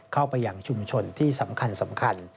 เข้าไปอย่างชุมชนที่สำคัญ